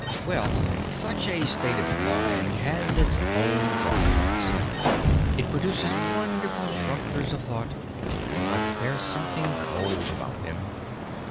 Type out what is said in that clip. "Well, such a state of mind has its own drawbacks. It produces wonderful structures of thought but there's something cold about them.